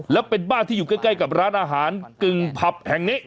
แล้วเป็นบ้านที่อยู่ใกล้กับร้านอาหารกึ่งผับแห่งนี้